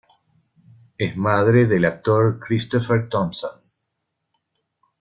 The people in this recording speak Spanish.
Es madre del actor Christopher Thompson.